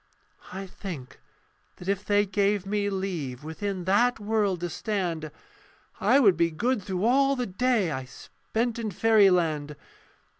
I think that if they gave me leave Within that world to stand, I would be good through all the day I spent in fairyland.